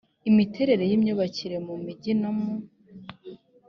imiterere y imyubakire mu mijyi no mu